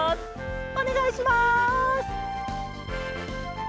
「おねがいします」。